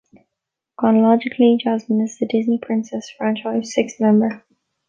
Chronologically, Jasmine is the Disney Princess franchise's sixth member.